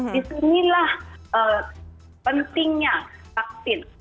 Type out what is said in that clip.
di sinilah pentingnya vaksin